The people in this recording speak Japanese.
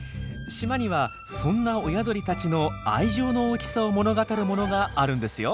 島にはそんな親鳥たちの愛情の大きさを物語るものがあるんですよ。